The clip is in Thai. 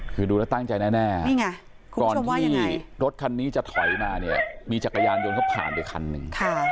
คือดูแล้วตั้งใจแน่นี่ไงคุณผู้ชมว่ายังไงก่อนที่รถคันนี้จะถอยมาเนี่ยมีจักรยานยนต์เขาผ่านไปคันนึงค่ะ